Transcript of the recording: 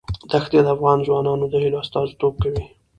ښتې د افغان ځوانانو د هیلو استازیتوب کوي.